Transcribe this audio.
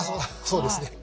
そうですね。